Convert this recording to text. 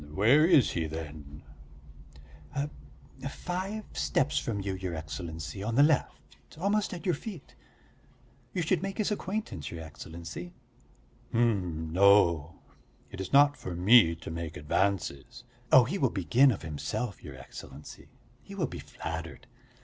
"Hm, where is he, then?" "Five steps from you, your Excellency, on the left.... Almost at your feet. You should make his acquaintance, your Excellency." "Hm, no it's not for me to make advances." "Oh, he will begin of himself, your Excellency. He will be flattered.